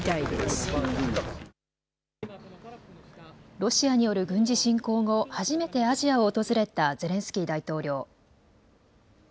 ロシアによる軍事侵攻後、初めてアジアを訪れたゼレンスキー大統領。